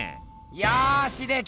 よしできた。